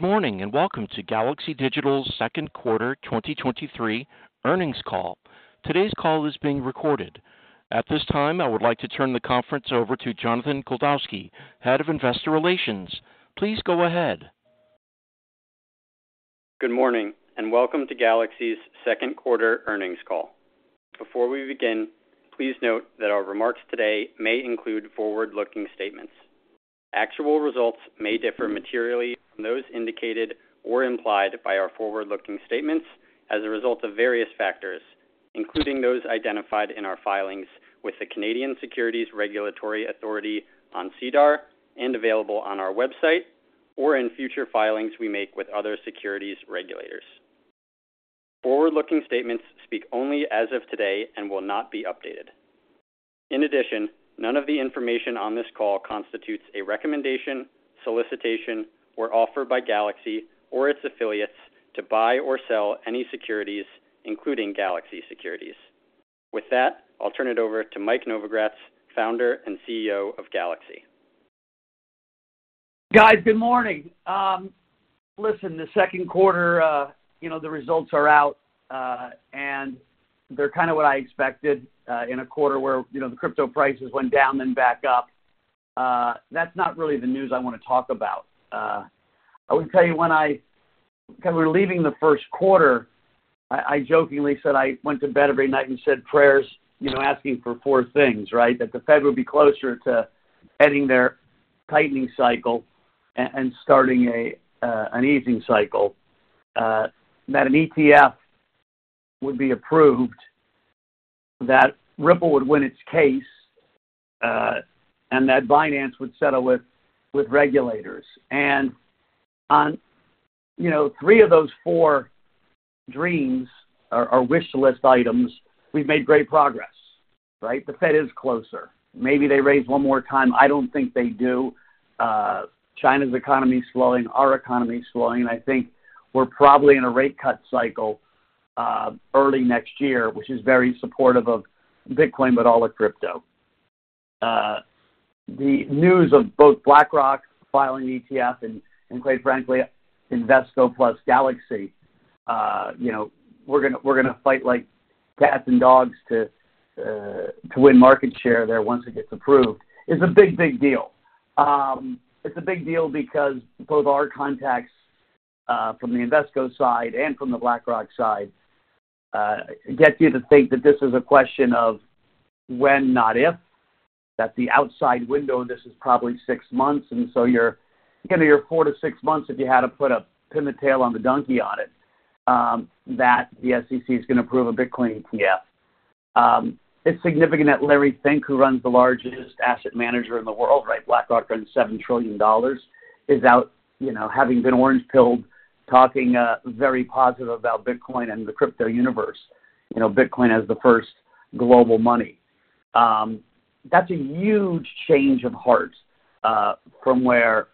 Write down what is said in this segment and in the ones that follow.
Good morning, and welcome to Galaxy Digital's second quarter 2023 earnings call. Today's call is being recorded. At this time, I would like to turn the conference over to Jonathan Kuldowski, Head of Investor Relations. Please go ahead. Good morning, and welcome to Galaxy's second quarter earnings call. Before we begin, please note that our remarks today may include forward-looking statements. Actual results may differ materially from those indicated or implied by our forward-looking statements as a result of various factors, including those identified in our filings with the Canadian Securities Regulatory Authority on SEDAR and available on our website, or in future filings we make with other securities regulators. Forward-looking statements speak only as of today and will not be updated. In addition, none of the information on this call constitutes a recommendation, solicitation, or offer by Galaxy or its affiliates to buy or sell any securities, including Galaxy Securities. With that, I'll turn it over to Mike Novogratz, founder and CEO of Galaxy. Guys, good morning. listen, the second quarter, you know, the results are out, and they're kind of what I expected, in a quarter where, you know, the crypto prices went down and back up. That's not really the news I want to talk about. I would tell you, when we were leaving the first quarter, I, I jokingly said I went to bed every night and said prayers, you know, asking for 4 things, right? That the Fed would be closer to ending their tightening cycle and starting an easing cycle, that an ETF would be approved, that Ripple would win its case, and that Binance would settle with regulators. On, you know, 3 of those 4 dreams or, or wish list items, we've made great progress, right? The Fed is closer. Maybe they raise one more time. I don't think they do. China's economy is slowing, our economy is slowing, and I think we're probably in a rate cut cycle early next year, which is very supportive of Bitcoin, but all of crypto. The news of both BlackRock filing an ETF and quite frankly, Invesco plus Galaxy, you know, we're gonna, we're gonna fight like cats and dogs to win market share there once it gets approved, is a big, big deal. It's a big deal because both our contacts from the Invesco side and from the BlackRock side get you to think that this is a question of when, not if. That the outside window, this is probably 6 months, and so you're, you know, you're 4-6 months if you had to put a pin the tail on the donkey on it, that the SEC is going to approve a Bitcoin ETF. It's significant that Larry Fink, who runs the largest asset manager in the world, right, BlackRock, runs $7 trillion, is out, you know, having been orange-pilled, talking very positive about Bitcoin and the crypto universe. You know, Bitcoin as the first global money. That's a huge change of heart from where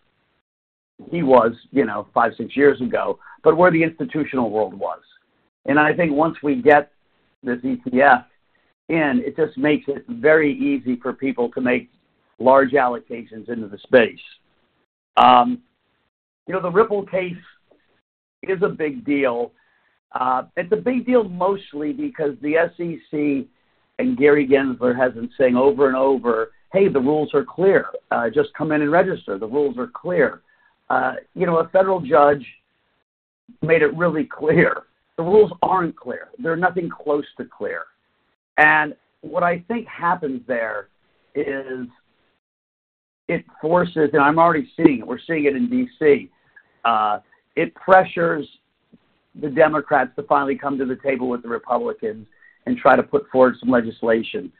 he was, you know, five, six years ago, but where the institutional world was. I think once we get this ETF in, it just makes it very easy for people to make large allocations into the space. You know, the Ripple case is a big deal. It's a big deal mostly because the SEC and Gary Gensler has been saying over and over, "Hey, the rules are clear. Just come in and register. The rules are clear." You know, a federal judge made it really clear, the rules aren't clear. They're nothing close to clear. And what I think happens there is it forces, and I'm already seeing it, we're seeing it in D.C., it pressures the Democrats to finally come to the table with the Republicans and try to put forward some legislation,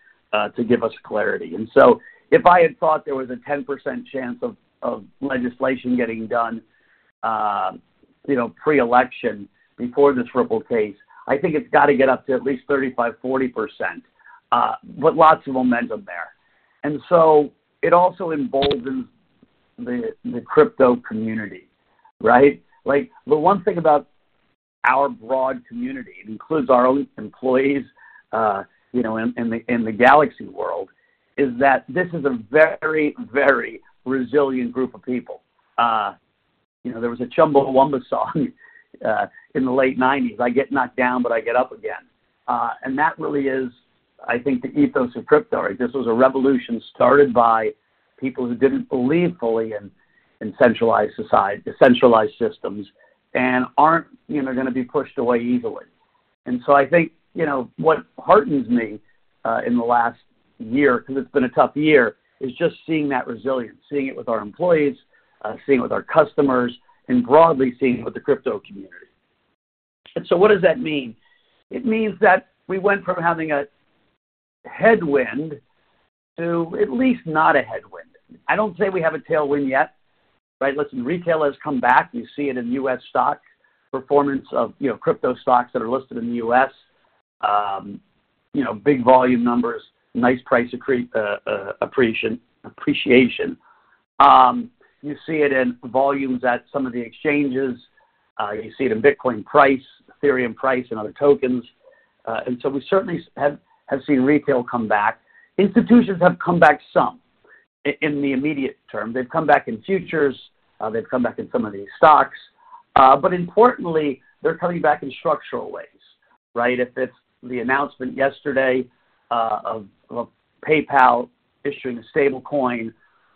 to give us clarity. And so if I had thought there was a 10% chance of, of legislation getting done, you know, pre-election, before this Ripple case, I think it's got to get up to at least 35%-40%, but lots of momentum there. It also emboldens the, the crypto community, right? Like, the one thing about our broad community, it includes our own employees, you know, in the Galaxy world, is that this is a very, very resilient group of people. You know, there was a Chumbawamba song in the late 1990s, I get knocked down, but I get up again. And that really is, I think, the ethos of crypto, right? This was a revolution started by people who didn't believe fully in, in centralized society, decentralized systems, and aren't, you know, going to be pushed away easily. I think, you know, what heartens me in the last year, because it's been a tough year, is just seeing that resilience, seeing it with our employees, seeing it with our customers, and broadly seeing it with the crypto community. What does that mean? It means that we went from having a headwind to at least not a headwind. I don't say we have a tailwind yet, right? Listen, retail has come back. You see it in U.S. stock, performance of, you know, crypto stocks that are listed in the U.S. you know, big volume numbers, nice price appre- appreciation, appreciation. You see it in volumes at some of the exchanges. You see it in Bitcoin price, Ethereum price, and other tokens. We certainly have, have seen retail come back. Institutions have come back some.... in, in the immediate term. They've come back in futures, they've come back in some of these stocks, but importantly, they're coming back in structural ways, right? If it's the announcement yesterday, of PayPal issuing a stablecoin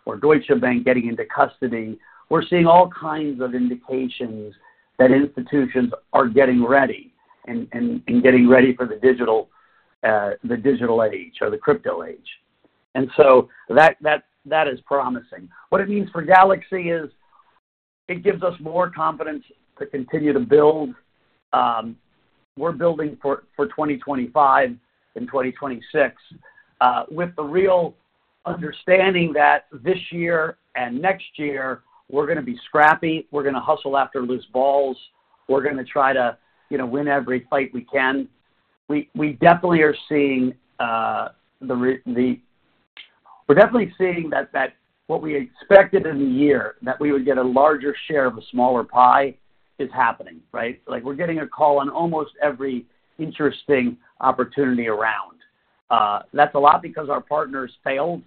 or Deutsche Bank getting into custody, we're seeing all kinds of indications that institutions are getting ready, and getting ready for the digital, the digital age or the crypto age. That, that, that is promising. What it means for Galaxy is it gives us more confidence to continue to build. We're building for 2025 and 2026 with the real understanding that this year and next year, we're gonna be scrappy, we're gonna hustle after loose balls, we're gonna try to, you know, win every fight we can. We, we definitely are seeing, we're definitely seeing that, that what we expected in the year, that we would get a larger share of a smaller pie, is happening, right? Like, we're getting a call on almost every interesting opportunity around. That's a lot because our partners failed,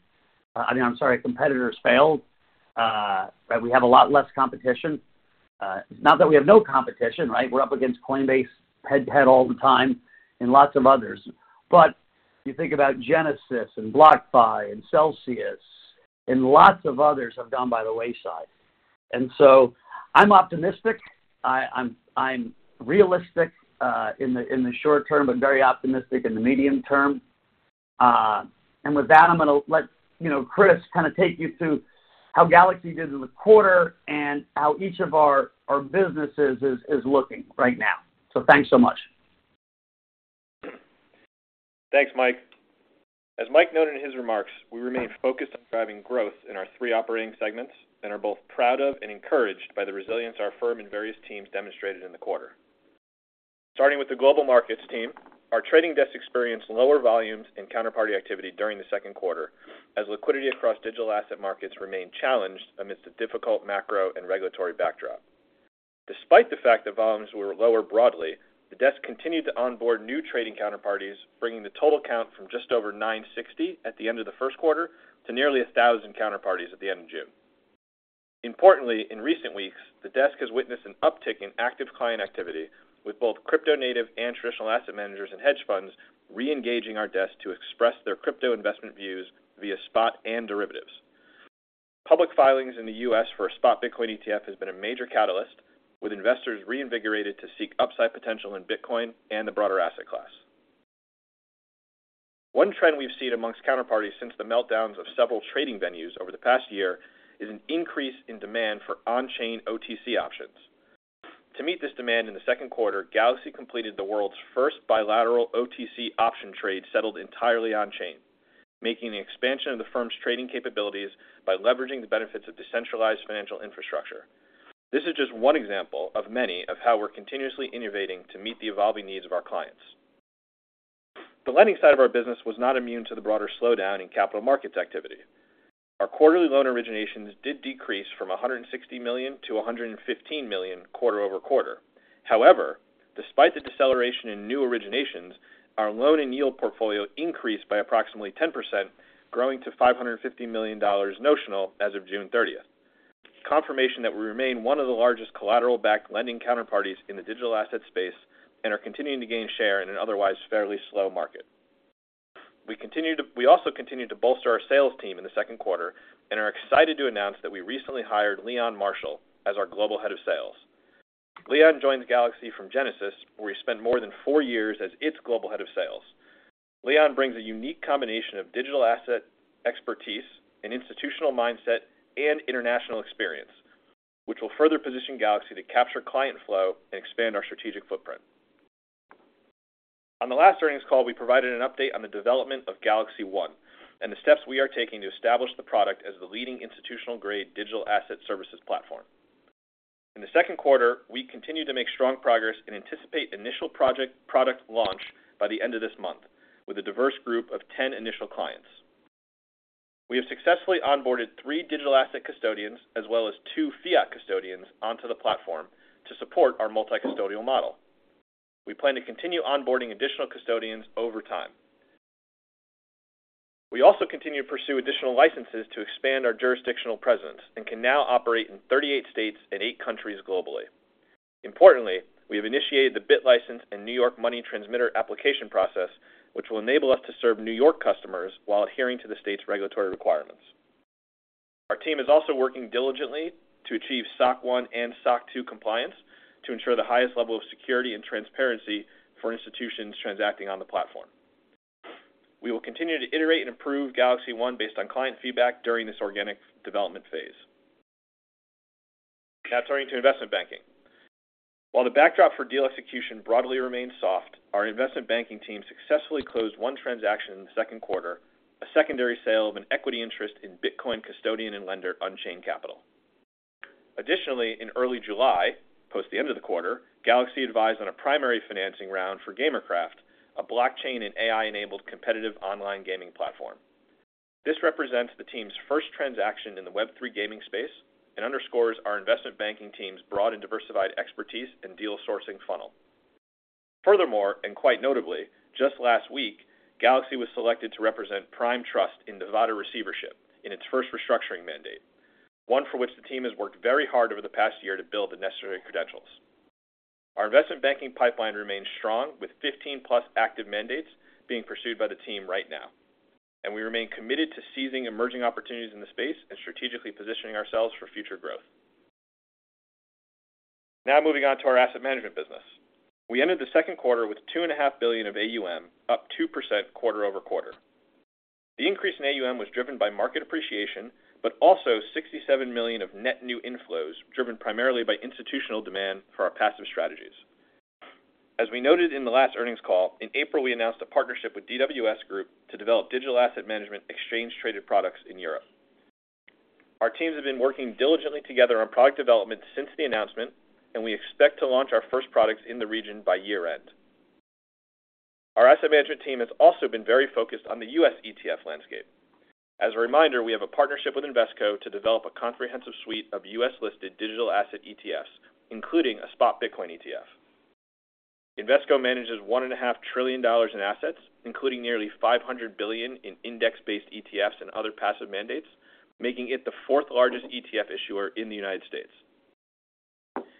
I mean, I'm sorry, competitors failed, but we have a lot less competition. Not that we have no competition, right? We're up against Coinbase head-to-head all the time and lots of others. You think about Genesis and BlockFi and Celsius and lots of others have gone by the wayside. I'm optimistic. I, I'm, I'm realistic, in the short term, but very optimistic in the medium term. With that, I'm gonna let you know, Chris, kind of take you through how Galaxy did in the quarter and how each of our, our businesses is, is looking right now. Thanks so much. Thanks, Mike. As Mike noted in his remarks, we remain focused on driving growth in our three operating segments and are both proud of and encouraged by the resilience our firm and various teams demonstrated in the quarter. Starting with the global markets team, our trading desk experienced lower volumes and counterparty activity during the second quarter, as liquidity across digital asset markets remained challenged amidst a difficult macro and regulatory backdrop. Despite the fact that volumes were lower broadly, the desk continued to onboard new trading counterparties, bringing the total count from just over 960 at the end of the first quarter to nearly 1,000 counterparties at the end of June. Importantly, in recent weeks, the desk has witnessed an uptick in active client activity, with both crypto native and traditional asset managers and hedge funds reengaging our desk to express their crypto investment views via spot and derivatives. Public filings in the US for a spot Bitcoin ETF has been a major catalyst, with investors reinvigorated to seek upside potential in Bitcoin and the broader asset class. One trend we've seen amongst counterparties since the meltdowns of several trading venues over the past year is an increase in demand for on-chain OTC options. To meet this demand in the second quarter, Galaxy completed the world's first bilateral OTC option trade settled entirely on-chain, making the expansion of the firm's trading capabilities by leveraging the benefits of decentralized financial infrastructure. This is just one example of many of how we're continuously innovating to meet the evolving needs of our clients. The lending side of our business was not immune to the broader slowdown in capital markets activity. Our quarterly loan originations did decrease from $160 million to $115 million quarter-over-quarter. However, despite the deceleration in new originations, our loan and yield portfolio increased by approximately 10%, growing to $550 million notional as of June 30th. Confirmation that we remain one of the largest collateral-backed lending counterparties in the digital asset space and are continuing to gain share in an otherwise fairly slow market. We also continue to bolster our sales team in the second quarter and are excited to announce that we recently hired Leon Marshall as our Global Head of Sales. Leon joined Galaxy from Genesis, where he spent more than 4 years as its Global Head of Sales. Leon brings a unique combination of digital asset expertise, an institutional mindset, and international experience, which will further position Galaxy to capture client flow and expand our strategic footprint. On the last earnings call, we provided an update on the development of Galaxy One and the steps we are taking to establish the product as the leading institutional-grade digital asset services platform. In the second quarter, we continued to make strong progress and anticipate initial product launch by the end of this month with a diverse group of 10 initial clients. We have successfully onboarded 3 digital asset custodians as well as 2 fiat custodians onto the platform to support our multi-custodial model. We plan to continue onboarding additional custodians over time. We also continue to pursue additional licenses to expand our jurisdictional presence and can now operate in 38 states and 8 countries globally. Importantly, we have initiated the BitLicense and New York Money Transmitter application process, which will enable us to serve New York customers while adhering to the state's regulatory requirements. Our team is also working diligently to achieve SOC 1 and SOC 2 compliance to ensure the highest level of security and transparency for institutions transacting on the platform. We will continue to iterate and improve Galaxy One based on client feedback during this organic development phase. Now turning to investment banking. While the backdrop for deal execution broadly remains soft, our investment banking team successfully closed one transaction in the second quarter, a secondary sale of an equity interest in Bitcoin custodian and lender, Unchained Capital. Additionally, in early July, post the end of the quarter, Galaxy advised on a primary financing round for Gamercraft, a blockchain and AI-enabled competitive online gaming platform. This represents the team's first transaction in the Web3 gaming space and underscores our investment banking team's broad and diversified expertise and deal sourcing funnel. Furthermore, and quite notably, just last week, Galaxy was selected to represent Prime Trust in Nevada receivership in its first restructuring mandate, one for which the team has worked very hard over the past year to build the necessary credentials. Our investment banking pipeline remains strong, with 15+ active mandates being pursued by the team right now, and we remain committed to seizing emerging opportunities in the space and strategically positioning ourselves for future growth. Moving on to our asset management business. We ended the second quarter with $2.5 billion of AUM, up 2% quarter-over-quarter. The increase in AUM was driven by market appreciation, but also $67 million of net new inflows, driven primarily by institutional demand for our passive strategies. As we noted in the last earnings call, in April, we announced a partnership with DWS Group to develop digital asset management exchange traded products in Europe. Our teams have been working diligently together on product development since the announcement, we expect to launch our first products in the region by year-end. Our asset management team has also been very focused on the U.S. ETF landscape. As a reminder, we have a partnership with Invesco to develop a comprehensive suite of U.S.-listed digital asset ETFs, including a spot Bitcoin ETF. Invesco manages $1.5 trillion in assets, including nearly $500 billion in index-based ETFs and other passive mandates, making it the fourth largest ETF issuer in the United States.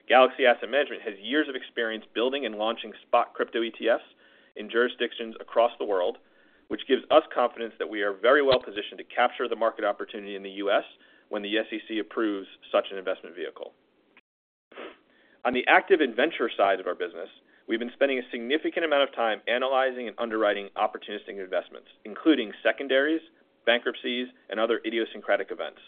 Galaxy Asset Management has years of experience building and launching spot crypto ETFs in jurisdictions across the world, which gives us confidence that we are very well positioned to capture the market opportunity in the U.S. when the SEC approves such an investment vehicle. On the active and venture side of our business, we've been spending a significant amount of time analyzing and underwriting opportunistic investments, including secondaries, bankruptcies, and other idiosyncratic events.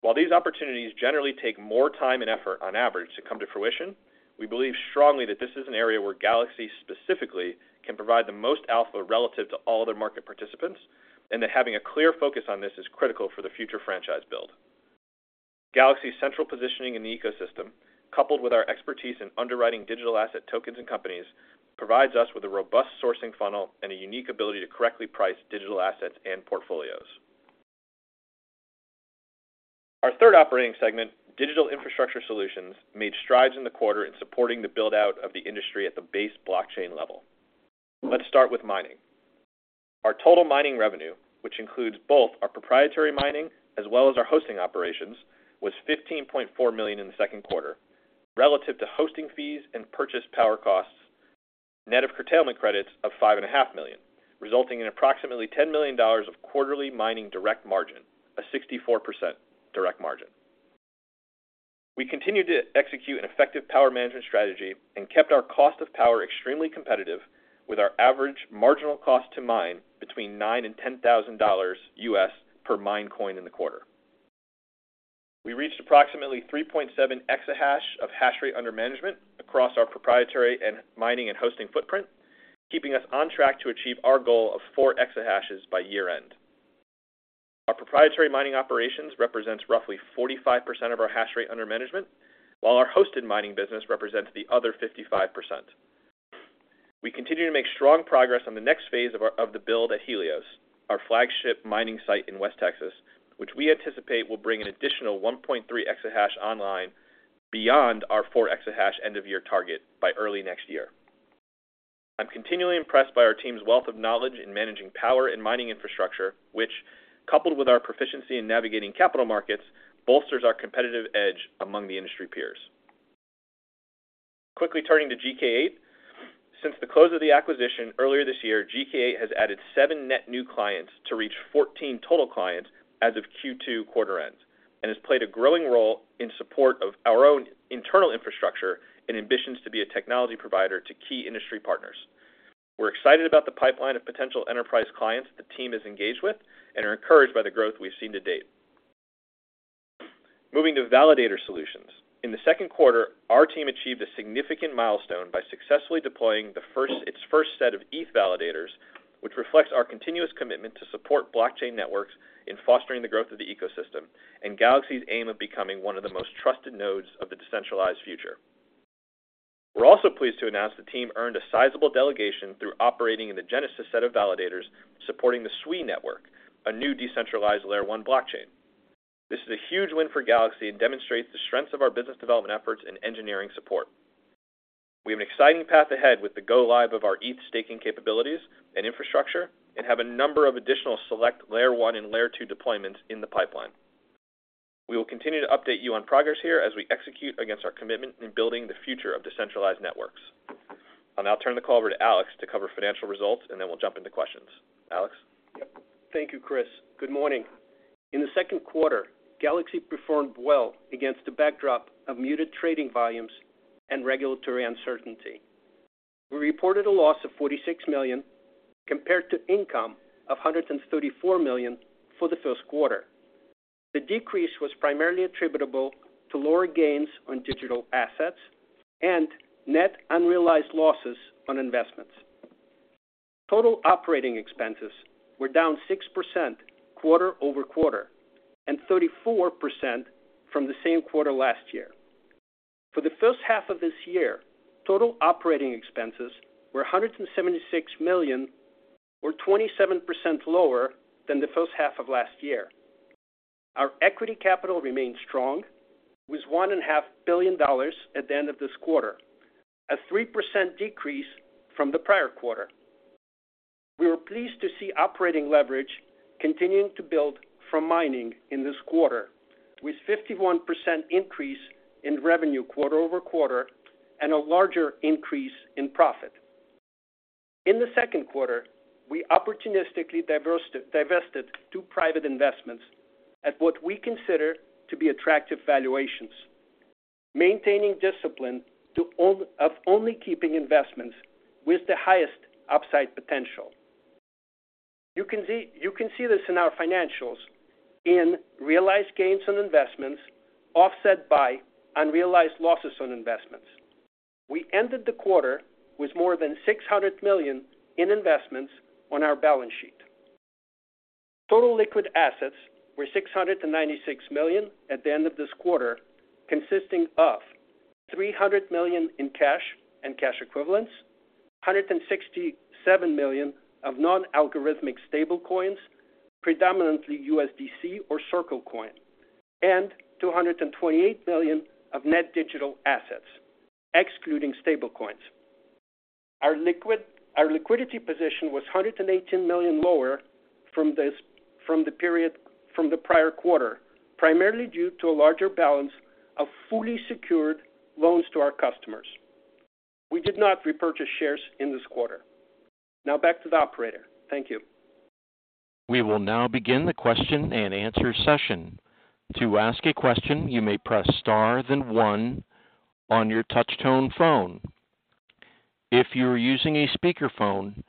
While these opportunities generally take more time and effort on average to come to fruition, we believe strongly that this is an area where Galaxy specifically can provide the most alpha relative to all other market participants, and that having a clear focus on this is critical for the future franchise build. Galaxy's central positioning in the ecosystem, coupled with our expertise in underwriting digital asset tokens and companies, provides us with a robust sourcing funnel and a unique ability to correctly price digital assets and portfolios. Our third operating segment, digital infrastructure solutions, made strides in the quarter in supporting the build-out of the industry at the base blockchain level. Let's start with mining. Our total mining revenue, which includes both our proprietary mining as well as our hosting operations, was $15.4 million in the second quarter, relative to hosting fees and purchase power costs, net of curtailment credits of $5.5 million, resulting in approximately $10 million of quarterly mining direct margin, a 64% direct margin. We continued to execute an effective power management strategy and kept our cost of power extremely competitive with our average marginal cost to mine between $9,000 and $10,000 per mine coin in the quarter. We reached approximately 3.7 exahash of hash rate under management across our proprietary and mining and hosting footprint, keeping us on track to achieve our goal of 4 exahashes by year-end. Our proprietary mining operations represents roughly 45% of our hash rate under management, while our hosted mining business represents the other 55%. We continue to make strong progress on the next phase of the build at Helios, our flagship mining site in West Texas, which we anticipate will bring an additional 1.3 exahash online beyond our 4 exahash end-of-year target by early next year. I'm continually impressed by our team's wealth of knowledge in managing power and mining infrastructure, which, coupled with our proficiency in navigating capital markets, bolsters our competitive edge among the industry peers. Quickly turning to GK8. Since the close of the acquisition earlier this year, GK8 has added 7 net new clients to reach 14 total clients as of Q2 quarter end, and has played a growing role in support of our own internal infrastructure and ambitions to be a technology provider to key industry partners. We're excited about the pipeline of potential enterprise clients the team is engaged with and are encouraged by the growth we've seen to date. Moving to validator solutions. In the second quarter, our team achieved a significant milestone by successfully deploying its first set of ETH validators, which reflects our continuous commitment to support blockchain networks in fostering the growth of the ecosystem and Galaxy's aim of becoming one of the most trusted nodes of the decentralized future. We're also pleased to announce the team earned a sizable delegation through operating in the genesis set of validators supporting the Sui network, a new decentralized Layer 1 blockchain. This is a huge win for Galaxy and demonstrates the strengths of our business development efforts and engineering support. We have an exciting path ahead with the go live of our ETH staking capabilities and infrastructure and have a number of additional select Layer 1 and Layer 2 deployments in the pipeline. We will continue to update you on progress here as we execute against our commitment in building the future of decentralized networks. I'll now turn the call over to Alex to cover financial results, and then we'll jump into questions. Alex? Thank you, Chris. Good morning. In the second quarter, Galaxy performed well against the backdrop of muted trading volumes and regulatory uncertainty. We reported a loss of $46 million compared to income of $134 million for the first quarter. The decrease was primarily attributable to lower gains on digital assets and net unrealized losses on investments. Total operating expenses were down 6% quarter-over-quarter and 34% from the same quarter last year. For the first half of this year, total operating expenses were $176 million, or 27% lower than the first half of last year. Our equity capital remains strong, with $1.5 billion at the end of this quarter, a 3% decrease from the prior quarter. We were pleased to see operating leverage continuing to build from mining in this quarter, with 51% increase in revenue quarter-over-quarter, and a larger increase in profit. In the second quarter, we opportunistically divested two private investments at what we consider to be attractive valuations, maintaining discipline of only keeping investments with the highest upside potential. You can see this in our financials in realized gains on investments, offset by unrealized losses on investments. We ended the quarter with more than $600 million in investments on our balance sheet. Total liquid assets were $696 million at the end of this quarter, consisting of $300 million in cash and cash equivalents, $167 million of non-algorithmic stablecoins, predominantly USDC or USD Coin, and $228 million of net digital assets, excluding stablecoins. Our liquidity position was $118 million lower from the prior quarter, primarily due to a larger balance of fully secured loans to our customers. We did not repurchase shares in this quarter. Back to the operator. Thank you. We will now begin the question and answer session. To ask a question, you may press star, then one on your touchtone phone. If you are using a speakerphone,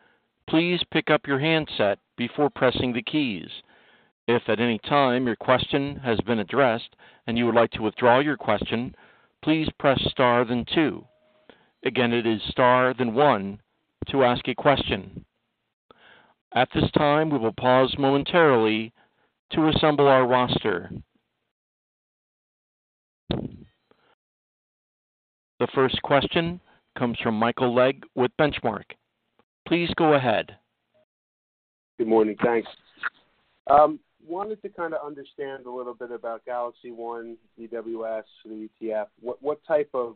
please pick up your handset before pressing the keys. If at any time your question has been addressed and you would like to withdraw your question, please press star then two. Again, it is star, then one to ask a question. At this time, we will pause momentarily to assemble our roster. The first question comes from Michael Legg with Benchmark. Please go ahead. Good morning, thanks. Wanted to kind of understand a little bit about Galaxy One, DWS, and the ETF. What, what type of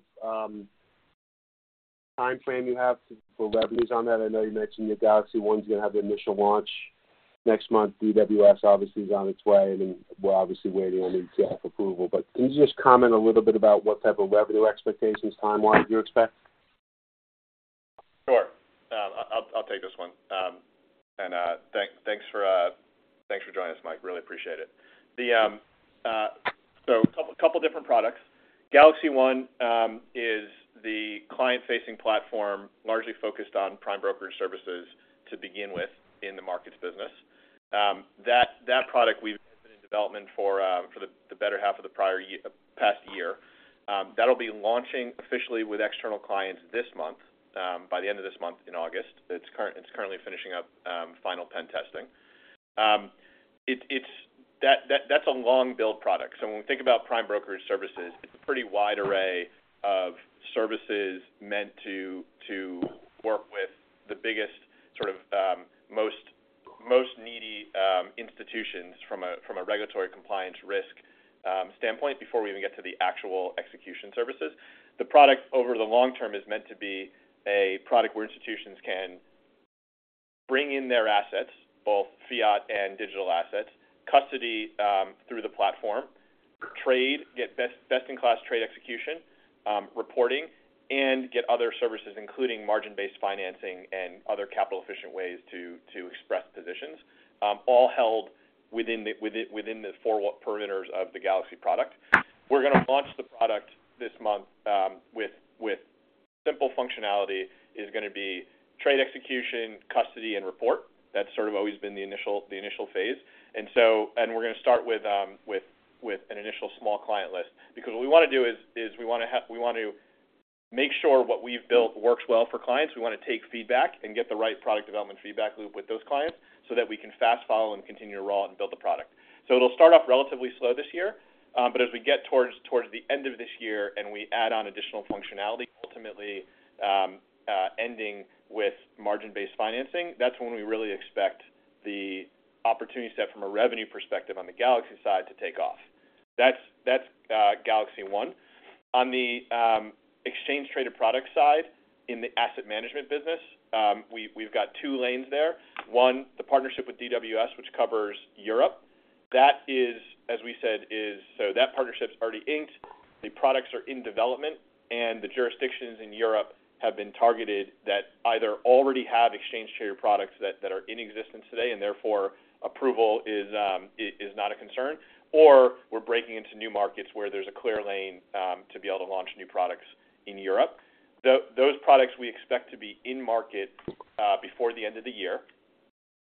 timeframe you have for revenues on that? I know you mentioned that Galaxy One's going to have the initial launch next month. DWS obviously is on its way, and then we're obviously waiting on ETF approval. Can you just comment a little bit about what type of revenue expectations, timeline you expect? Sure. I'll, I'll take this one. Thanks, thanks for, thanks for joining us, Mike. Really appreciate it. A couple, couple different products. Galaxy One is the client-facing platform, largely focused on prime brokerage services to begin with in the markets business. That, that product we've been in development for, for the, the better half of the prior year, past year. That'll be launching officially with external clients this month, by the end of this month in August. It's currently finishing up, final pen testing. That, that, that's a long build product. When we think about prime brokerage services, it's a pretty wide array of services meant to work with the biggest sort of, most needy institutions from a regulatory compliance risk standpoint, before we even get to the actual execution services. The product, over the long term, is meant to be a product where institutions can bring in their assets, both fiat and digital assets, custody through the platform, trade, get best-in-class trade execution, reporting, and get other services, including margin-based financing and other capital-efficient ways to express positions, all held within the four wall perimeters of the Galaxy product. We're going to launch the product this month with simple functionality is going to be trade, execution, custody, and report. That's sort of always been the initial, the initial phase. And so... We're gonna start with, with an initial small client list, because what we want to do is, is we want to make sure what we've built works well for clients. We want to take feedback and get the right product development feedback loop with those clients, so that we can fast follow and continue to roll out and build the product. It'll start off relatively slow this year, but as we get towards, towards the end of this year and we add on additional functionality, ultimately, ending with margin-based financing, that's when we really expect the opportunity set from a revenue perspective on the Galaxy side to take off. That's, that's Galaxy One. On the exchange-traded product side, in the asset management business, we've, we've got 2 lanes there. One, the partnership with DWS, which covers Europe. That is, as we said, is... That partnership's already inked. The products are in development, the jurisdictions in Europe have been targeted that either already have exchange-traded products that are in existence today, and therefore, approval is not a concern, or we're breaking into new markets where there's a clear lane to be able to launch new products in Europe. Those products we expect to be in market before the end of the year.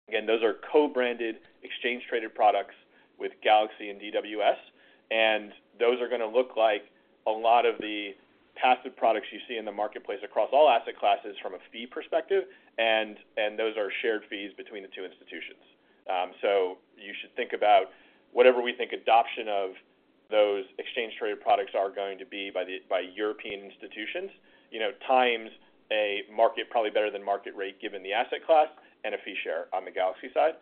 Again, those are co-branded exchange-traded products with Galaxy and DWS, those are gonna look like a lot of the passive products you see in the marketplace across all asset classes from a fee perspective, and those are shared fees between the two institutions. You should think about whatever we think adoption of... those exchange traded products are going to be by the, by European institutions, you know, times a market, probably better than market rate, given the asset class and a fee share on the Galaxy side.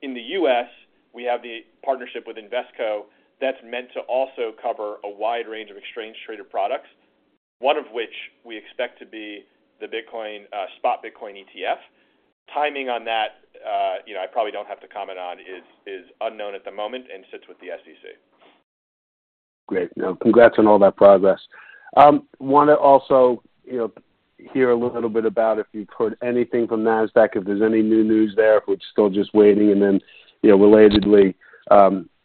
In the U.S., we have the partnership with Invesco that's meant to also cover a wide range of exchange traded products, one of which we expect to be the Bitcoin spot Bitcoin ETF. Timing on that, you know, I probably don't have to comment on, is, is unknown at the moment and sits with the SEC. Great. Now, congrats on all that progress. Want to also, you know, hear a little bit about if you've heard anything from Nasdaq, if there's any new news there, if we're still just waiting, and then, you know, relatedly,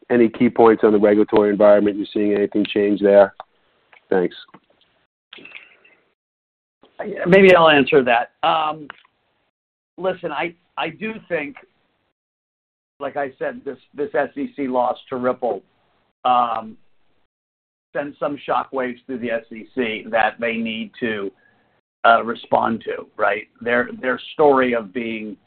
any key points on the regulatory environment, you're seeing anything change there? Thanks. Maybe I'll answer that. Listen, I, I do think, like I said, this, this SEC loss to Ripple sent some shockwaves through the SEC that they need to respond to, right? Their, their story of being,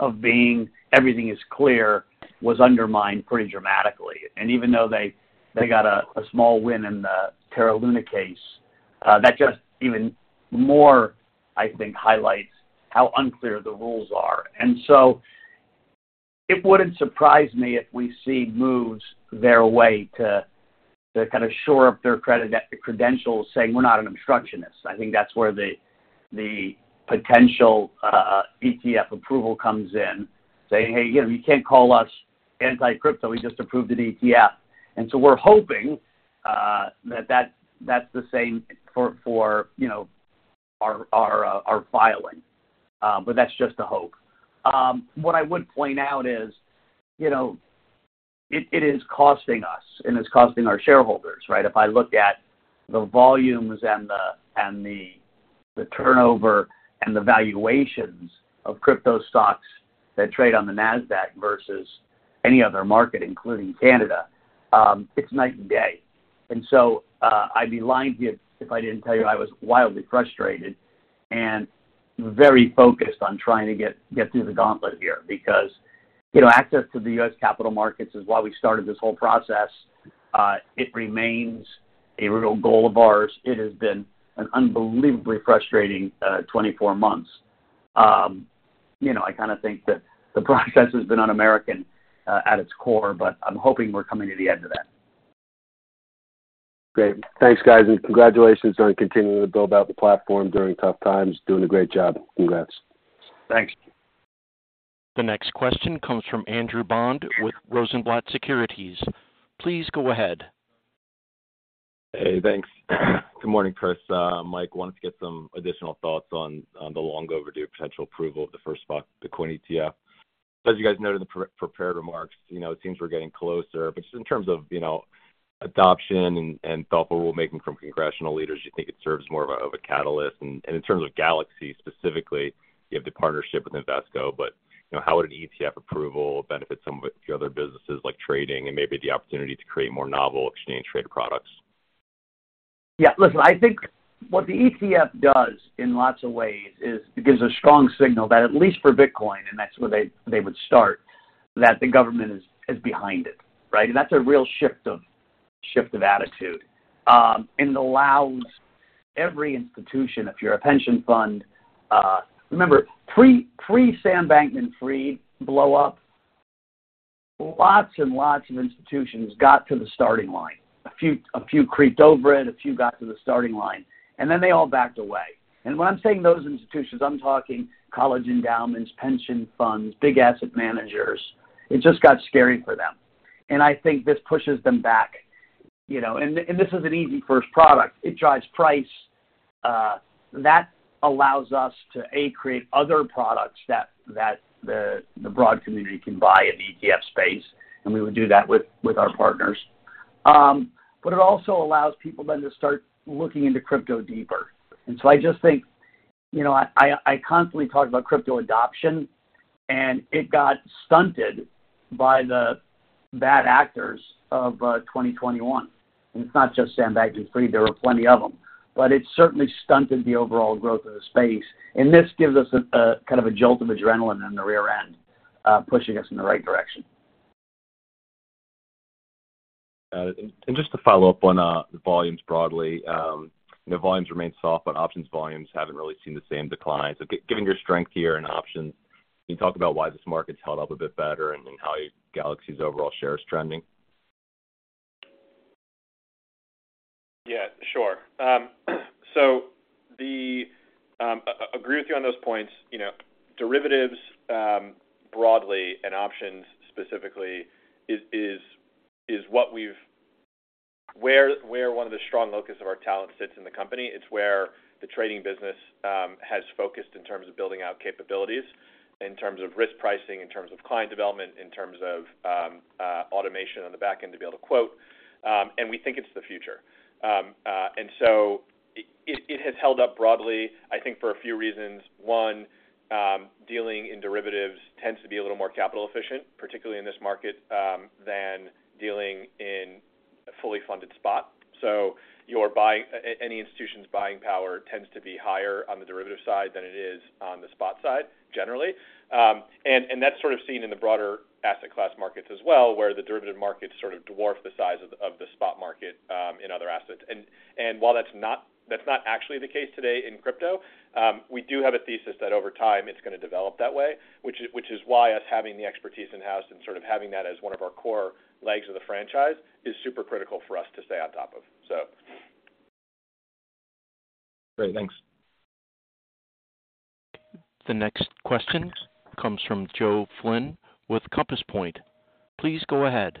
of being everything is clear, was undermined pretty dramatically. Even though they, they got a, a small win in the Terra Luna case, that just even more, I think, highlights how unclear the rules are. It wouldn't surprise me if we see moves their way to, to kind of shore up their cred- credentials, saying, We're not an obstructionist. I think that's where the, the potential ETF approval comes in, saying, Hey, you know, you can't call us anti-crypto, we just approved an ETF. We're hoping that, that's the same for, for, you know, our, our, our filing, but that's just a hope. What I would point out is, you know, it, it is costing us and it's costing our shareholders, right? If I look at the volumes and the, and the, the turnover and the valuations of crypto stocks that trade on the Nasdaq versus any other market, including Canada, it's night and day. I'd be lying to you if I didn't tell you I was wildly frustrated and very focused on trying to get, get through the gauntlet here, because, you know, access to the U.S. capital markets is why we started this whole process. It remains a real goal of ours. It has been an unbelievably frustrating, 24 months. you know, I kind of think that the process has been un-American, at its core, but I'm hoping we're coming to the end of that. Great. Thanks, guys. Congratulations on continuing to build out the platform during tough times. Doing a great job. Congrats. Thanks. The next question comes from Andrew Bond with Rosenblatt Securities. Please go ahead. Hey, thanks. Good morning, Chris. Mike, wanted to get some additional thoughts on the long overdue potential approval of the first spot, the Bitcoin ETF. As you guys noted in the pre-prepared remarks, you know, it seems we're getting closer, but just in terms of, you know, adoption and thoughtful rulemaking from congressional leaders, do you think it serves more of a catalyst? In terms of Galaxy, specifically, you have the partnership with Invesco, but, you know, how would an ETF approval benefit some of the other businesses like trading and maybe the opportunity to create more novel exchange-traded products? Yeah, listen, I think what the ETF does in lots of ways is it gives a strong signal that at least for Bitcoin, and that's where they, they would start, that the government is, is behind it, right. That's a real shift of, shift of attitude, and allows every institution, if you're a pension fund. Remember, pre, pre-Sam Bankman-Fried blowup, lots and lots of institutions got to the starting line. A few, a few creaked over it, a few got to the starting line, and then they all backed away. When I'm saying those institutions, I'm talking college endowments, pension funds, big asset managers. It just got scary for them. I think this pushes them back, you know, and, and this is an easy first product. It drives price, that allows us to, A, create other products that, that the, the broad community can buy in the ETF space, and we would do that with, with our partners. It also allows people then to start looking into crypto deeper. I just think, you know, I, I constantly talk about crypto adoption. It got stunted by the bad actors of 2021. It's not just Sam Bankman-Fried, there were plenty of them, but it certainly stunted the overall growth of the space. This gives us a, kind of a jolt of adrenaline on the rear end, pushing us in the right direction. Just to follow up on the volumes broadly, the volumes remain soft, but options volumes haven't really seen the same declines. Giving your strength here in options, can you talk about why this market's held up a bit better and how Galaxy's overall shares trending? Yeah, sure. So the, I agree with you on those points. You know, derivatives, broadly, and options specifically, is, is, is what we've-- where, where one of the strong locus of our talent sits in the company. It's where the trading business, has focused in terms of building out capabilities, in terms of risk pricing, in terms of client development, in terms of, automation on the back end to be able to quote, and we think it's the future. So it, it has held up broadly, I think, for a few reasons. One, dealing in derivatives tends to be a little more capital efficient, particularly in this market, than dealing in-... a fully funded spot. Your buying, any institution's buying power tends to be higher on the derivative side than it is on the spot side, generally. That's sort of seen in the broader asset class markets as well, where the derivative markets sort of dwarf the size of the spot market in other assets. While that's not, that's not actually the case today in crypto, we do have a thesis that over time, it's gonna develop that way, which is, which is why us having the expertise in-house and sort of having that as one of our core legs of the franchise, is super critical for us to stay on top of. Great, thanks. The next question comes from Joe Flynn with Compass Point. Please go ahead.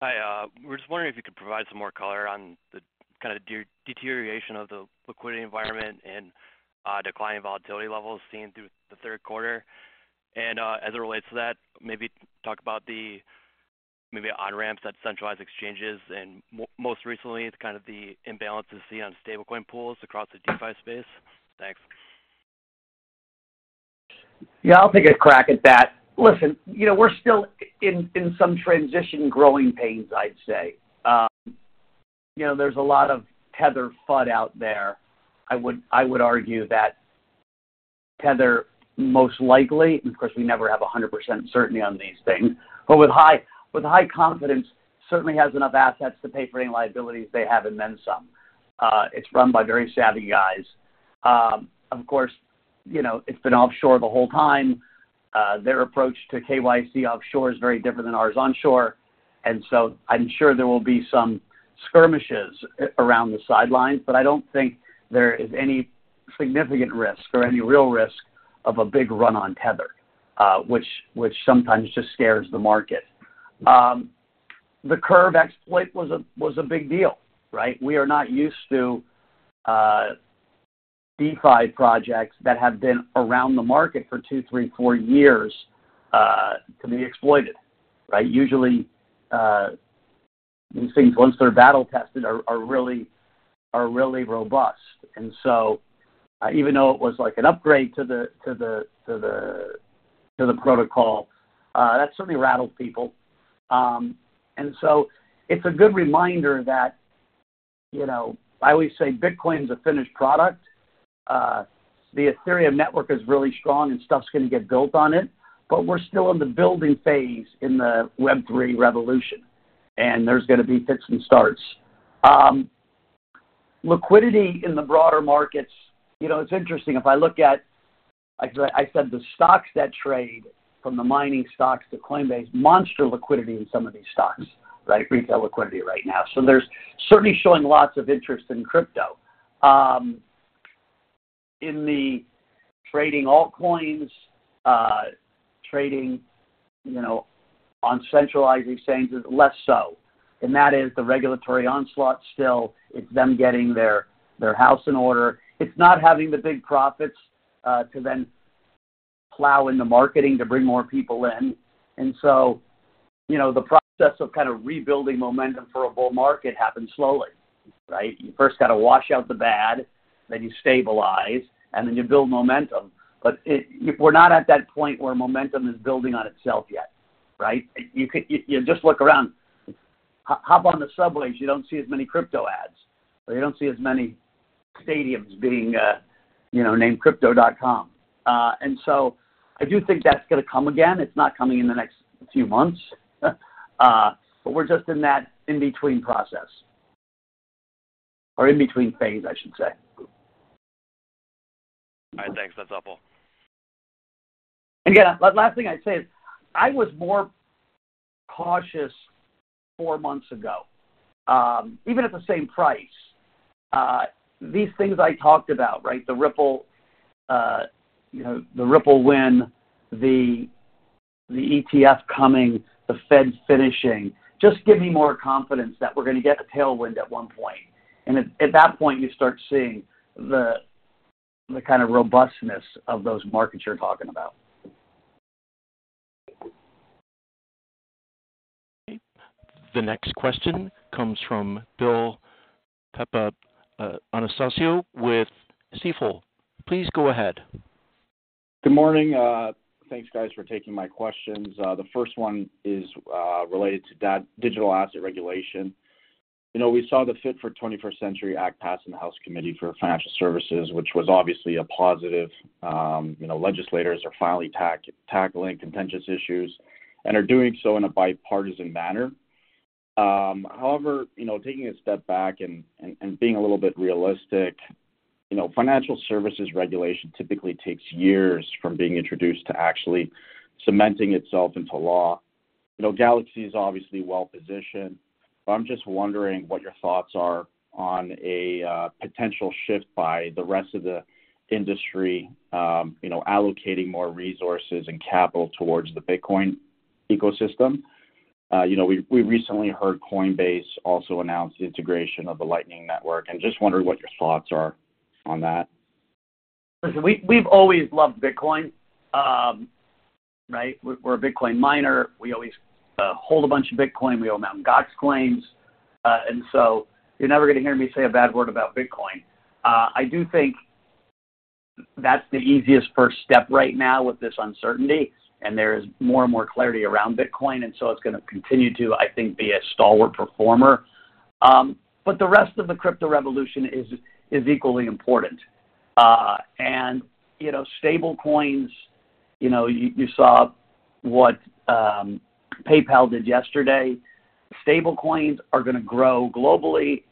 Hi, we're just wondering if you could provide some more color on the kind of deterioration of the liquidity environment and declining volatility levels seen through the third quarter. As it relates to that, maybe talk about the maybe on-ramps that centralized exchanges, and most recently, it's kind of the imbalance we see on stablecoin pools across the DeFi space. Thanks. Yeah, I'll take a crack at that. Listen, you know, we're still in some transition growing pains, I'd say. You know, there's a lot of Tether FUD out there. I would, I would argue that Tether, most likely, of course, we never have 100% certainty on these things, but with high, with high confidence, certainly has enough assets to pay for any liabilities they have and then some. It's run by very savvy guys. Of course, you know, it's been offshore the whole time. Their approach to KYC offshore is very different than ours onshore, and so I'm sure there will be some skirmishes around the sidelines, but I don't think there is any significant risk or any real risk of a big run on Tether, which, which sometimes just scares the market. The Curve exploit was a, was a big deal, right? We are not used to DeFi projects that have been around the market for two, three, four years to be exploited, right? Usually, these things, once they're battle-tested, are, are really, are really robust. Even though it was like an upgrade to the, to the, to the, to the protocol, that certainly rattled people. It's a good reminder that, you know, I always say Bitcoin's a finished product. The Ethereum network is really strong, and stuff's gonna get built on it, but we're still in the building phase in the Web Three revolution, and there's gonna be fits and starts. Liquidity in the broader markets, you know, it's interesting. If I look at, like I, I said, the stocks that trade from the mining stocks to Coinbase, monster liquidity in some of these stocks, right? Retail liquidity right now. There's certainly showing lots of interest in crypto, in the trading altcoins, trading, you know, on centralizing exchanges, less so, and that is the regulatory onslaught still. It's them getting their, their house in order. It's not having the big profits, to then plow into marketing to bring more people in. You know, the process of kind of rebuilding momentum for a bull market happens slowly, right? You first got to wash out the bad, then you stabilize, and then you build momentum. We're not at that point where momentum is building on itself yet, right? You, you just look around, hop on the subways, you don't see as many crypto ads, or you don't see as many stadiums being, you know, named Crypto.com. I do think that's gonna come again. It's not coming in the next few months, but we're just in that in-between process, or in-between phase, I should say. All right, thanks. That's helpful. Yeah, last thing I'd say is, I was more cautious four months ago, even at the same price. These things I talked about, right, the Ripple, you know, the Ripple win, the, the ETF coming, the Feds finishing, just give me more confidence that we're gonna get the tailwind at one point. At that point, you start seeing the, the kind of robustness of those markets you're talking about. The next question comes from Bill Papanastasiou with Stifel. Please go ahead. Good morning. Thanks, guys, for taking my questions. The first one is related to that digital asset regulation. You know, we saw the Fit for the 21st Century Act pass in the House Committee for Financial Services, which was obviously a positive. You know, legislators are finally tackling contentious issues and are doing so in a bipartisan manner. However, you know, taking a step back and being a little bit realistic, you know, financial services regulation typically takes years from being introduced to actually cementing itself into law. You know, Galaxy is obviously well-positioned, but I'm just wondering what your thoughts are on a potential shift by the rest of the industry, you know, allocating more resources and capital towards the Bitcoin ecosystem. You know, we, we recently heard Coinbase also announce the integration of the Lightning Network, and just wondering what your thoughts are on that? Listen, we've always loved Bitcoin, right? We're, we're a Bitcoin miner. We always hold a bunch of Bitcoin. We own Mt. Gox claims. You're never gonna hear me say a bad word about Bitcoin. That's the easiest first step right now with this uncertainty, and there is more and more clarity around Bitcoin, and so it's gonna continue to, I think, be a stalwart performer. The rest of the crypto revolution is, is equally important. You know, stable coins, you know, you, you saw what, PayPal did yesterday. Stable coins are gonna grow globally.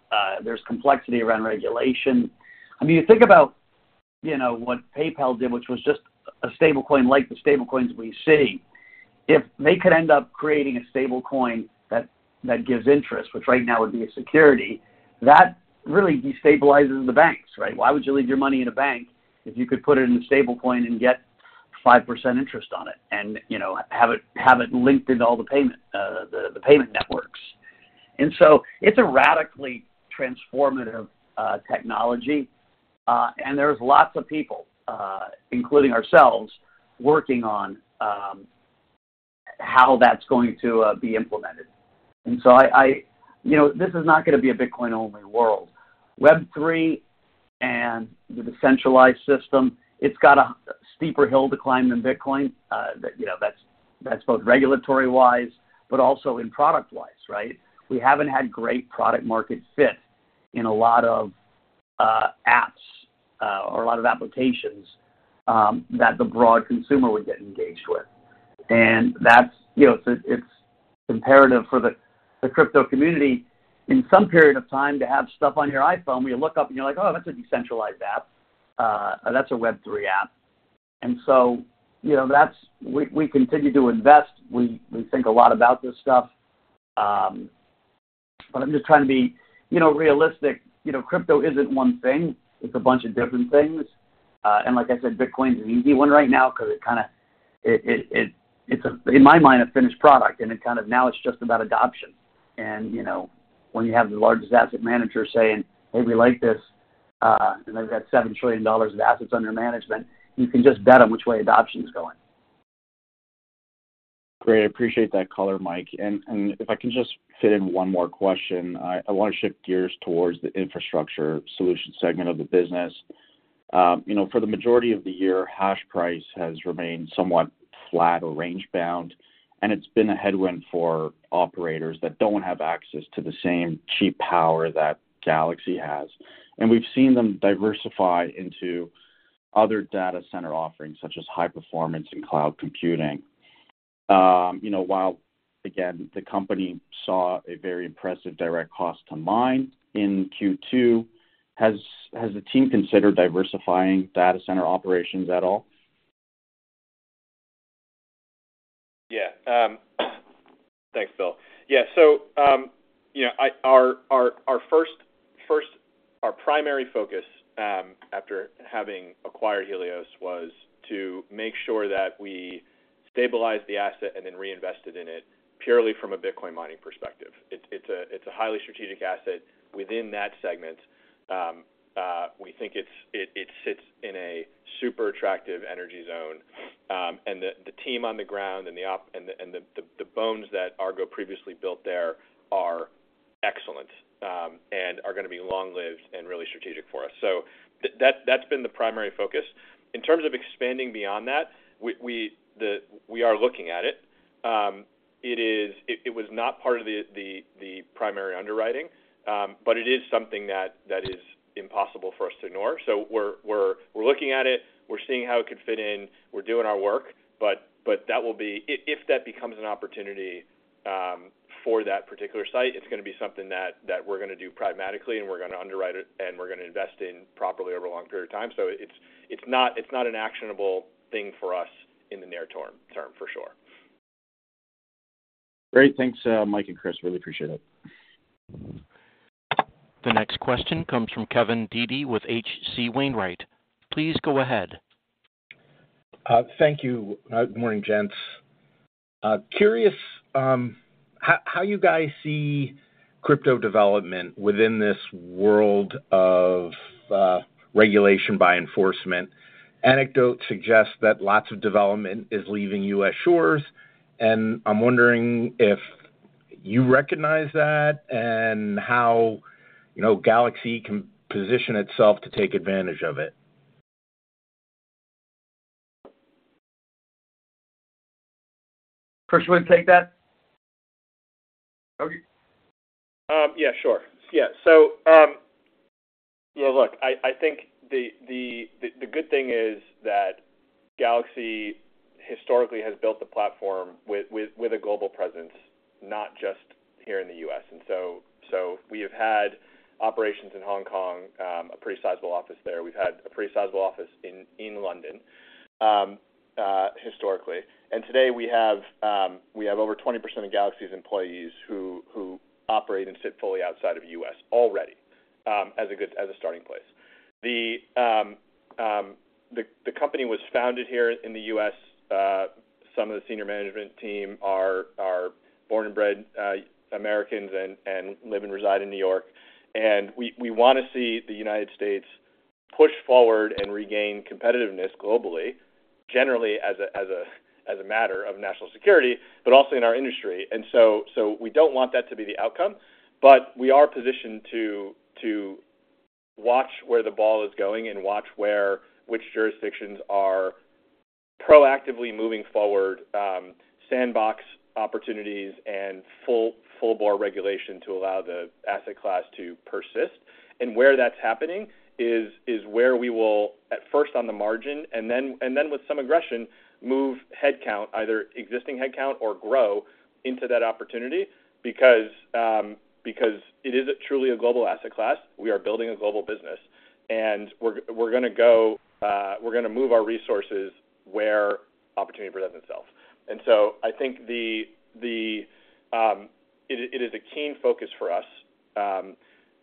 There's complexity around regulation. I mean, you think about, you know, what PayPal did, which was just a stable coin, like the stable coins we see. If they could end up creating a stablecoin that, that gives interest, which right now would be a security, that really destabilizes the banks, right? Why would you leave your money in a bank if you could put it in a stablecoin and get 5% interest on it and, you know, have it, have it linked into all the payment, the, the payment networks? It's a radically transformative technology, and there's lots of people, including ourselves, working on how that's going to be implemented. I, I-- you know, this is not gonna be a Bitcoin-only world. Web3 and the decentralized system, it's got a steeper hill to climb than Bitcoin. That, you know, that's, that's both regulatory-wise but also in product-wise, right? We haven't had great product market fit in a lot of apps, or a lot of applications that the broad consumer would get engaged with. That's, you know, it's imperative for the crypto community in some period of time to have stuff on your iPhone, where you look up and you're like, "Oh, that's a decentralized app. That's a Web3 app." You know, that's we, we continue to invest. We, we think a lot about this stuff. I'm just trying to be, you know, realistic. You know, crypto isn't one thing, it's a bunch of different things. Like I said, Bitcoin is an easy one right now 'cause it kinda it's a, in my mind, a finished product, and it kind of now it's just about adoption. You know, when you have the largest asset manager saying, "Hey, we like this," and they've got $7 trillion of assets under management, you can just bet on which way adoption is going. Great. I appreciate that color, Mike. If I can just fit in one more question. I, I wanna shift gears towards the infrastructure solution segment of the business. You know, for the majority of the year, hash price has remained somewhat flat or range-bound, and it's been a headwind for operators that don't have access to the same cheap power that Galaxy has. We've seen them diversify into other data center offerings, such as high performance and cloud computing. You know, while, again, the company saw a very impressive direct cost to mine in Q2, has the team considered diversifying data center operations at all? Yeah, thanks, Bill. Yeah. You know, our, our, our first, first, our primary focus, after having acquired Helios was to make sure that we stabilize the asset and then reinvest it in it purely from a Bitcoin mining perspective. It's, it's a, it's a highly strategic asset within that segment. We think it sits in a super attractive energy zone. The team on the ground and the bones that Argo previously built there are excellent, and are gonna be long-lived and really strategic for us. That, that's been the primary focus. In terms of expanding beyond that, we are looking at it. It is... It, it was not part of the, the, the primary underwriting, but it is something that, that is impossible for us to ignore. We're, we're, we're looking at it, we're seeing how it could fit in, we're doing our work, but, but if, if that becomes an opportunity, for that particular site, it's gonna be something that, that we're gonna do pragmatically, and we're gonna underwrite it, and we're gonna invest in properly over a long period of time. It's, it's not, it's not an actionable thing for us in the near term, term, for sure. Great. Thanks, Mike and Chris. Really appreciate it. The next question comes from Kevin Dede with H.C. Wainwright. Please go ahead. Thank you. Good morning, gents. Curious, how, how you guys see crypto development within this world of regulation by enforcement? Anecdote suggests that lots of development is leaving U.S. shores, and I'm wondering if you recognize that and how, you know, Galaxy can position itself to take advantage of it? Chris, you want to take that? Okay. Yeah, sure. Yeah. Well, look, I think the good thing is that Galaxy historically has built a platform with a global presence, not just here in the U.S. We have had operations in Hong Kong, a pretty sizable office there. We've had a pretty sizable office in London historically. Today we have over 20% of Galaxy's employees who operate and sit fully outside of U.S. already as a starting place. The company was founded here in the U.S. Some of the senior management team are born and bred Americans and live and reside in New York. We wanna see the United States push forward and regain competitiveness globally. generally as a, as a, as a matter of national security, but also in our industry. So, so we don't want that to be the outcome, but we are positioned to, to watch where the ball is going and which jurisdictions are proactively moving forward, sandbox opportunities and full, full bore regulation to allow the asset class to persist. Where that's happening is, is where we will, at first on the margin, and then, and then with some aggression, move headcount, either existing headcount or grow into that opportunity, because, because it is truly a global asset class. We are building a global business, and we're, we're gonna go, we're gonna move our resources where opportunity presents itself. So I think the, the... It is a keen focus for us.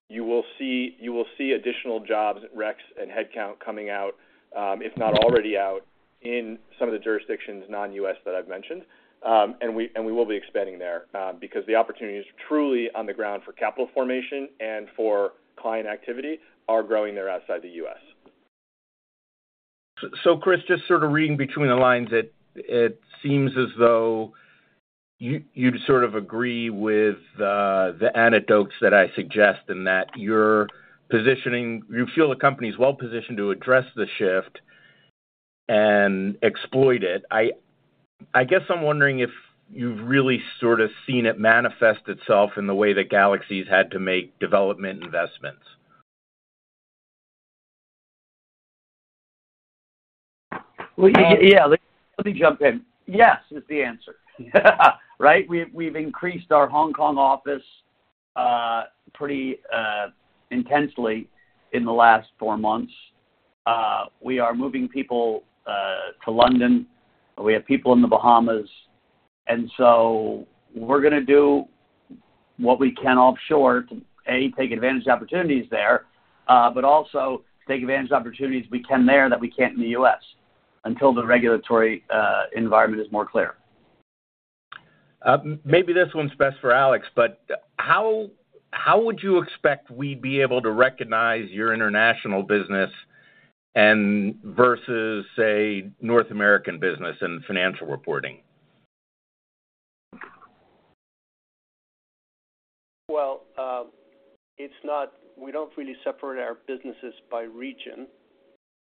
You will see, you will see additional jobs, recs, and headcount coming out, if not already out, in some of the jurisdictions, non-U.S., that I've mentioned. We, and we will be expanding there, because the opportunity is truly on the ground for capital formation and for client activity are growing there outside the U.S. Chris, just sort of reading between the lines, it, it seems as though you, you'd sort of agree with the anecdotes that I suggest and that you're positioning. You feel the company is well-positioned to address the shift and exploit it. I, I guess I'm wondering if you've really sort of seen it manifest itself in the way that Galaxy's had to make development investments. Well, yeah, let me jump in. Yes, is the answer. Right? We've increased our Hong Kong office, pretty intensely in the last 4 months. We are moving people to London. We have people in the Bahamas. So we're gonna do what we can offshore to, A, take advantage of opportunities there, but also take advantage of opportunities we can there that we can't in the U.S., until the regulatory environment is more clear. Maybe this one's best for Alex, but how, how would you expect we'd be able to recognize your international business and versus, say, North American business in financial reporting? We don't really separate our businesses by region,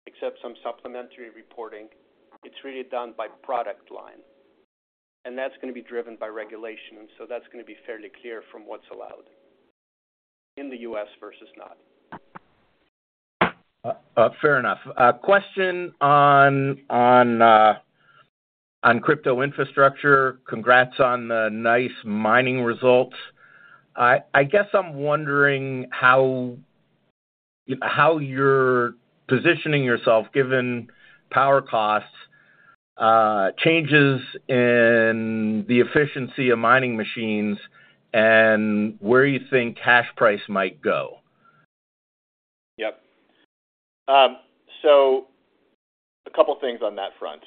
except some supplementary reporting. It's really done by product line, and that's gonna be driven by regulation, and so that's gonna be fairly clear from what's allowed in the U.S. versus not. Fair enough. Question on, on crypto infrastructure. Congrats on the nice mining results. I, I guess I'm wondering how, how you're positioning yourself given power costs, changes in the efficiency of mining machines, and where you think hash price might go. Yep. A couple of things on that front.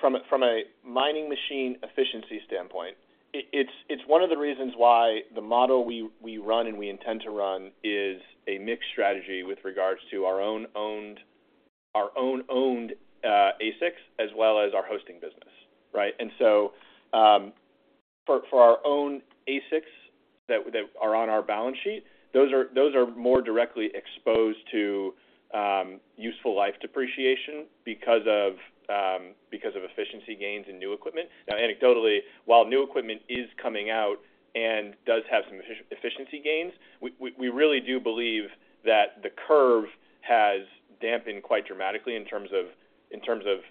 From a mining machine efficiency standpoint, it's one of the reasons why the model we run and we intend to run is a mixed strategy with regards to our own owned ASICs, as well as our hosting business, right? For our own ASICs that are on our balance sheet, those are more directly exposed to useful life depreciation because of efficiency gains in new equipment. Now, anecdotally, while new equipment is coming out and does have some efficiency gains, we really do believe that the curve has dampened quite dramatically in terms of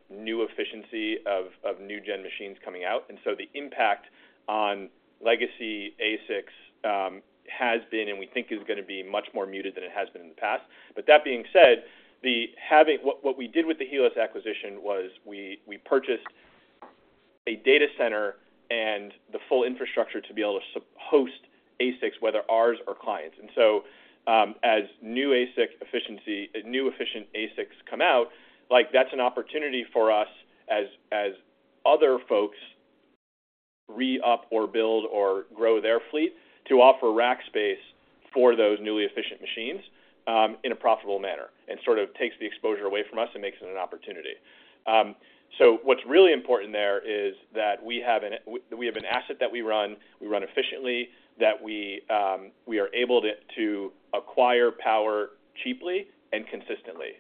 new efficiency of new gen machines coming out. The impact on legacy ASICs has been, and we think is gonna be much more muted than it has been in the past. But that being said, what we did with the Helios acquisition was we purchased a data center and the full infrastructure to be able to host ASICs, whether ours or clients. As new ASIC efficiency, new efficient ASICs come out, like, that's an opportunity for us as, as other folks re-up or build or grow their fleet, to offer rack space for those newly efficient machines, in a profitable manner, and sort of takes the exposure away from us and makes it an opportunity. So what's really important there is that we have an asset that we run, we run efficiently, that we are able to acquire power cheaply and consistently.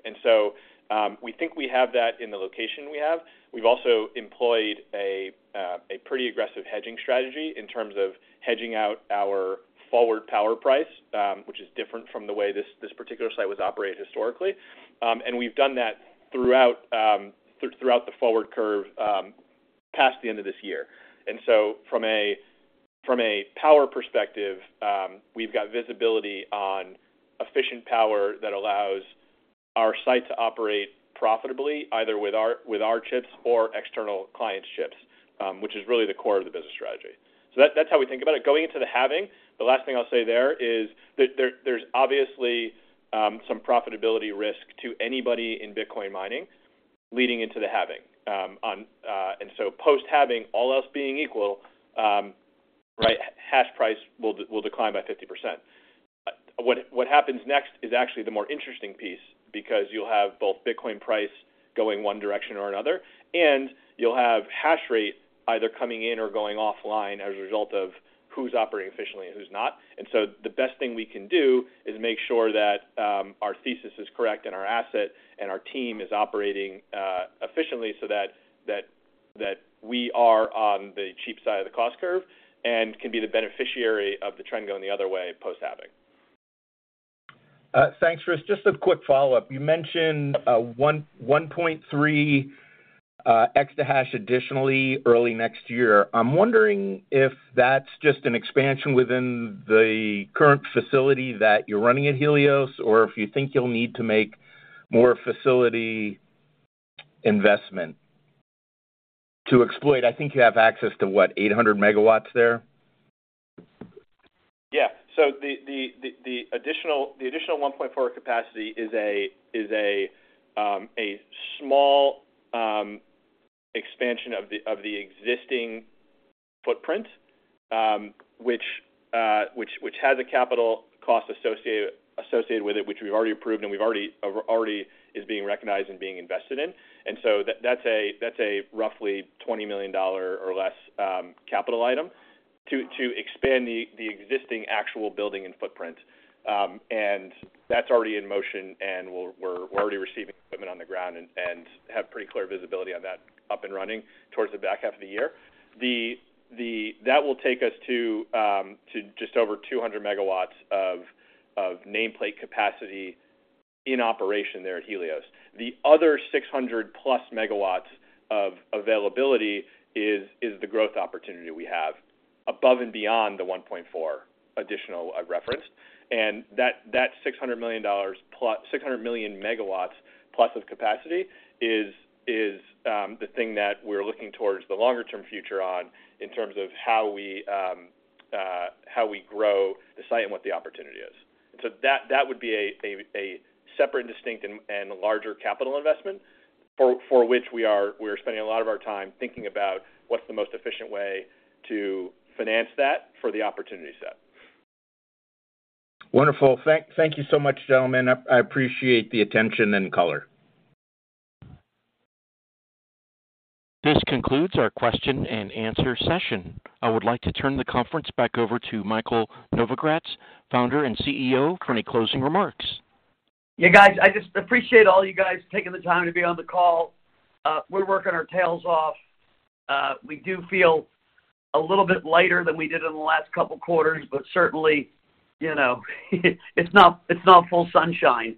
We think we have that in the location we have. We've also employed a pretty aggressive hedging strategy in terms of hedging out our forward power price, which is different from the way this particular site was operated historically. We've done that throughout the forward curve past the end of this year. From a power perspective, we've got visibility on efficient power that allows our site to operate profitably, either with our chips or external client chips, which is really the core of the business strategy. That's how we think about it. Going into the halving, the last thing I'll say there is that there, there's obviously some profitability risk to anybody in Bitcoin mining leading into the halving. So post-halving, all else being equal, hash price will decline by 50%. What happens next is actually the more interesting piece, because you'll have both Bitcoin price going 1 direction or another, and you'll have hash rate either coming in or going offline as a result of who's operating efficiently and who's not. So the best thing we can do is make sure that our thesis is correct and our asset and our team is operating efficiently, so that, that, that we are on the cheap side of the cost curve and can be the beneficiary of the trend going the other way post-halving. Thanks, Chris. Just a quick follow-up. You mentioned 1.3 exahash additionally, early next year. I'm wondering if that's just an expansion within the current facility that you're running at Helios, or if you think you'll need to make more facility investment to exploit. I think you have access to, what, 800 megawatts there? Yeah. So the, the, the, the additional, the additional 1.4 capacity is a, is a, a small, expansion of the, of the existing footprint, which, which, which has a capital cost associated, associated with it, which we've already approved and we've already, already is being recognized and being invested in. So that's a, that's a roughly $20 million or less, capital item to, to expand the, the existing actual building and footprint. That's already in motion, and we're, we're already receiving equipment on the ground and, and have pretty clear visibility on that up and running towards the back half of the year. That will take us to, to just over 200 megawatts of, of nameplate capacity in operation there at Helios. The other 600+ MWs of availability is, is the growth opportunity we have above and beyond the 1.4 additional I've referenced. That, that $600 million+-- 600 million+ MWs of capacity is, is the thing that we're looking towards the longer term future on in terms of how we grow the site and what the opportunity is. That, that would be a, a, a separate and distinct and, and larger capital investment for, for which we are, we're spending a lot of our time thinking about what's the most efficient way to finance that for the opportunity set. Wonderful. Thank you so much, gentlemen. I appreciate the attention and color. This concludes our question and answer session. I would like to turn the conference back over to Michael Novogratz, Founder and CEO, for any closing remarks. Yeah, guys, I just appreciate all you guys taking the time to be on the call. We're working our tails off. We do feel a little bit lighter than we did in the last couple of quarters, but certainly, you know, it's not, it's not full sunshine.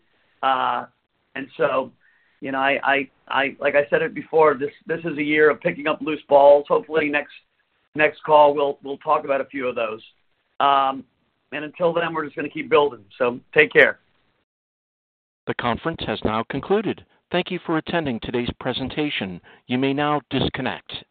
So, you know, I, I, I, like I said it before, this, this is a year of picking up loose balls. Hopefully, next, next call, we'll, we'll talk about a few of those. Until then, we're just going to keep building. Take care. The conference has now concluded. Thank you for attending today's presentation. You may now disconnect.